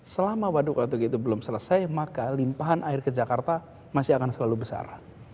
selama waduk waduk itu belum selesai maka limpahan air ke jakarta masih akan selalu besar